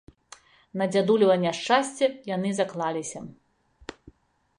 На дзядулева няшчасце, яны заклаліся.